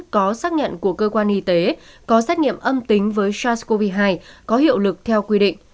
có xác nhận của cơ quan y tế có xét nghiệm âm tính với sars cov hai có hiệu lực theo quy định